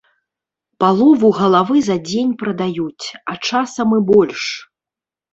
Палову галавы за дзень прадаюць, а часам і больш.